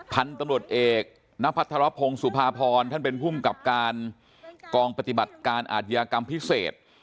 พันธุ์ตำรวจเอกณพัทรพงศ์สุภาพรท่านเป็นภูมิกับการกองปฏิบัติการอาทยากรรมพิเศษ